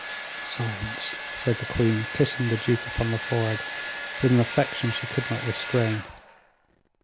"Silence," said the queen, kissing the duke upon the forehead with an affection she could not restrain.